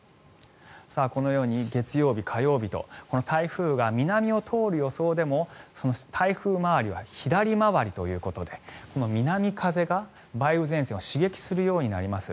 このように月曜日、火曜日と台風が南を通る予想でも台風回りは左回りということで南風が梅雨前線を刺激するようになります。